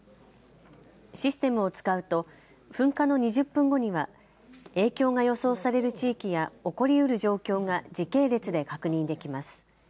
システムを使うと噴火の２０分後には影響が予想される地域や起こりうる状況が時系列で確認できます。